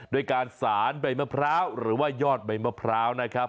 ด้วยการสารใบมะพร้าวหรือว่ายอดใบมะพร้าวนะครับ